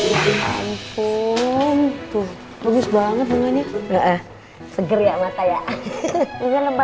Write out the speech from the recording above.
ya ampun tuh bagus banget bangunnya